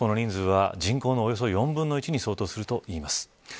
この人数は人口のおよそ４分の１に相当するといいます。